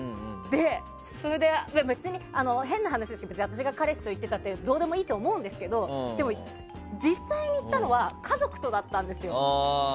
それで、別に変な話ですけど私が彼氏と行ってたってどうでもいいと思うんですけどでも、実際に行ったのは家族とだったんですよ。